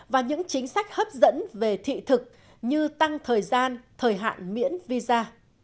và những chính sách hấp dẫn về thị thực như tăng thời gian thời hạn miễn visa